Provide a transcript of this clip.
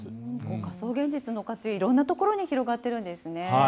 仮想現実の活用、いろんなところに広がっているんですね。